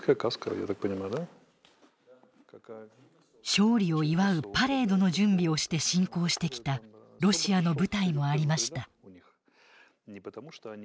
勝利を祝うパレードの準備をして侵攻してきたロシアの部隊もありました。